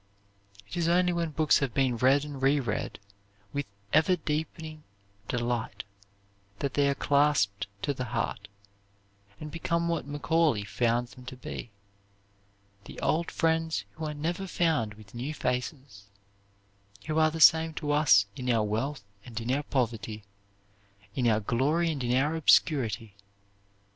It is only when books have been read and reread with ever deepening delight, that they are clasped to the heart, and become what Macaulay found them to be, the old friends who are never found with new faces, who are the same to us in our wealth and in our poverty, in our glory and in our obscurity.